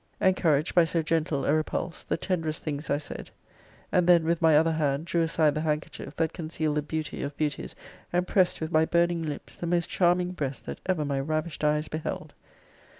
Encouraged by so gentle a repulse, the tenderest things I said; and then, with my other hand, drew aside the handkerchief that concealed the beauty of beauties, and pressed with my burning lips the most charming breast that ever my ravished eyes beheld.